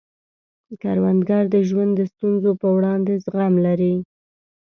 کروندګر د ژوند د ستونزو په وړاندې زغم لري